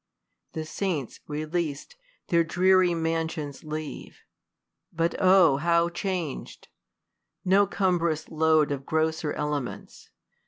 The saints releas d, their dreary mansions leave : But O how chang'd ! No cumb'rous load of grosser elements.